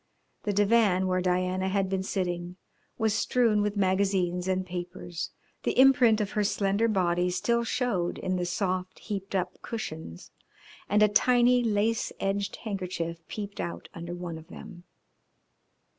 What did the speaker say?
The divan where Diana had been sitting was strewn with magazines and papers, the imprint of her slender body still showed in the soft, heaped up cushions, and a tiny, lace edged handkerchief peeped out under one of them.